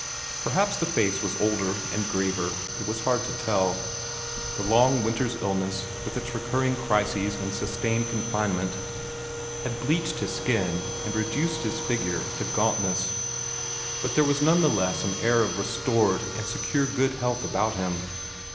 Perhaps the face was older and graver; it was hard to tell. The long winter's illness, with its recurring crises and sustained confinement, had bleached his skin and reduced his figure to gauntness, but there was none the less an air of restored and secure good health about him.